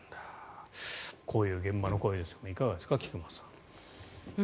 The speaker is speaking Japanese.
こういう現場の声ですがいかがですか、菊間さん。